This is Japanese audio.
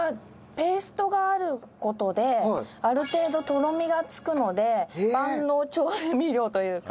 ペーストがある事である程度とろみがつくので万能調味料というか。